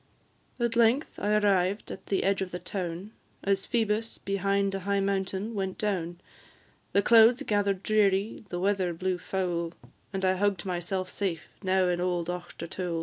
At length I arrived at the edge of the town, As Phoebus, behind a high mountain, went down; The clouds gather'd dreary, and weather blew foul, And I hugg'd myself safe now in old Auchtertool.